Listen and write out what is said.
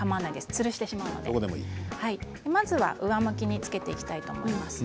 つるしてしまいますのでまずは上向きにつけていきたいと思います。